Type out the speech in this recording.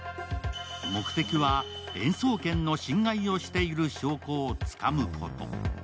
目的は、演奏権の侵害をしている証拠をつかむこと。